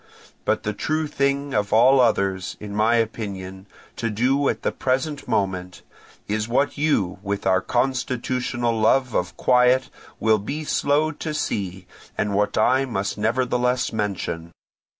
But the true thing of all others, in my opinion, to do at the present moment, is what you, with your constitutional love of quiet, will be slow to see, and what I must nevertheless mention.